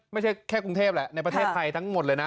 ไม่ใช่แค่กรุงเทพแหละในประเทศไทยทั้งหมดเลยนะ